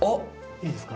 いいですか？